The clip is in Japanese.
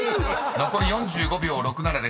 ［残り４５秒６７で３問］